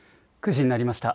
９時になりました。